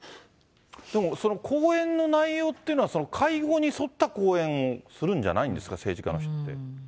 でもその講演の内容っていうのは、その会合に沿った講演をするんじゃないんですか、政治家の人って。